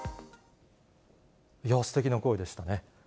すてきな声でしたね。